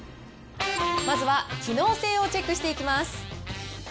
まずは機能性をチェックしていきます。